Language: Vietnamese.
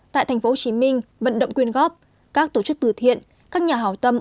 tại thành phố hồ chí minh vận động quyên góp các tổ chức từ thiện các nhà hảo tâm